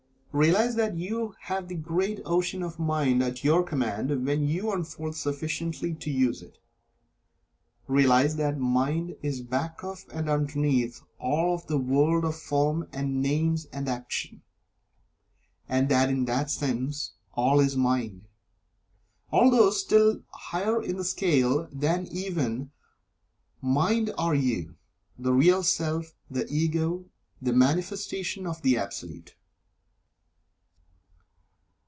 Realize that You have this great ocean of Mind at your command, when you unfold sufficiently to use it. Realize that Mind is back of and underneath all of the world of form and names and action, and that in that sense: "All is Mind," although still higher in the scale than even Mind are You, the Real Self, the Ego, the Manifestation of the Absolute.